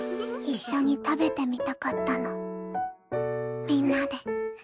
一緒に食べてみたかったのみんなで。